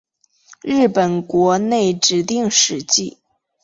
日本国内指定史迹。